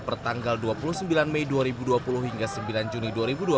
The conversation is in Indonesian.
pertanggal dua puluh sembilan mei dua ribu dua puluh hingga sembilan juni dua ribu dua puluh